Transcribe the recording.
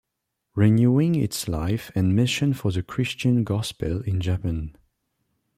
Renewing its life and mission for the Christian Gospel in Japan.